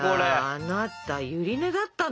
あなたゆり根だったの？